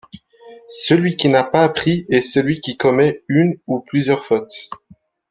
Celui qui n'a pas appris est celui qui commet une ou plusieurs fautes.